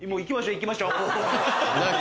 行きましょう。